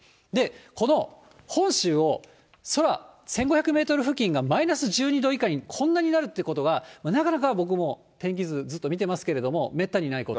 この本州を空１５００メートル付近がマイナス１２度以下に、こんなになるということはなかなか僕も、天気図ずっと見てますけれども、めったにないこと。